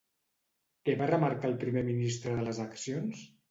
Què va remarcar el primer ministre de les accions?